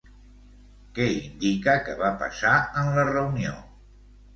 Què indica que va passar en la reunió?